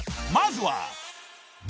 まずは］